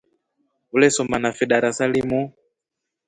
Ulesoma nafe darasa limu.